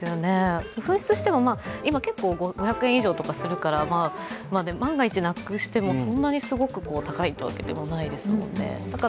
紛失しても今、結構５００円以上とかするから、万が一なくしても、そんなにすごく高いというわけではないですもんね。